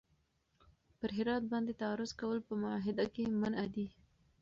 پر هرات باندې تعرض کول په معاهده کي منع دي.